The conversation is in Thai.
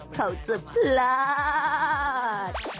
เขาจะพลาด